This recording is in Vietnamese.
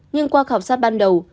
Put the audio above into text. nhưng qua khảo sát ban đầu